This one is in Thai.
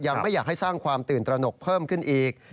ยังไม่อยากให้สร้างความตื่นตระหนกเพิ่มขึ้นอีก